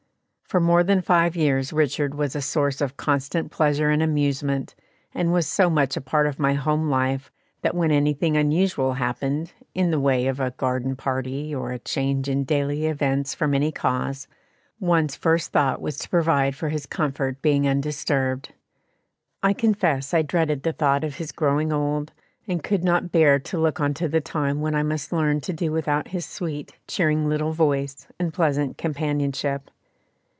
For more than five years Richard was a source of constant pleasure and amusement, and was so much a part of my home life that when anything unusual happened, in the way of a garden party or a change in daily events from any cause, one's first thought was to provide for his comfort being undisturbed. I confess I dreaded the thought of his growing old, and could not bear to look on to the time when I must learn to do without his sweet, cheering little voice and pleasant companionship.